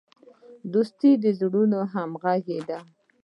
دوستي د زړونو همغږي ده.